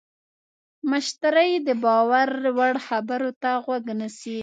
مشتری د باور وړ خبرو ته غوږ نیسي.